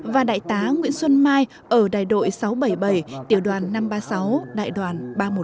và đại tá nguyễn xuân mai ở đại đội sáu trăm bảy mươi bảy tiểu đoàn năm trăm ba mươi sáu đại đoàn ba trăm một mươi tám